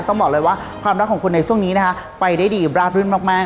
ต้องบอกเลยว่าความรักของคุณในช่วงนี้นะคะไปได้ดีราบรื่นมาก